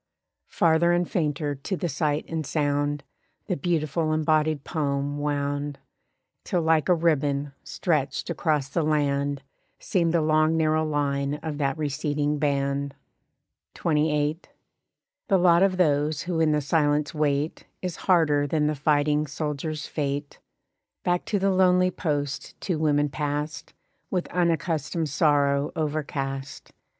Farther and fainter to the sight and sound The beautiful embodied poem wound; Till like a ribbon, stretched across the land Seemed the long narrow line of that receding band. XXVIII. The lot of those who in the silence wait Is harder than the fighting soldiers' fate. Back to the lonely post two women passed, With unaccustomed sorrow overcast.